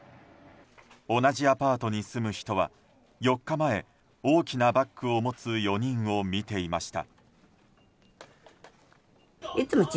同じアパートに住む人は４日前、大きなバッグを持つ４人を見ていました。